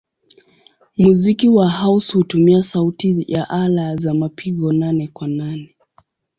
Muziki wa house hutumia sauti ya ala za mapigo nane-kwa-nane.